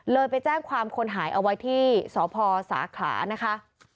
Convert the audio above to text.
ไปแจ้งความคนหายเอาไว้ที่สพสาขลานะคะ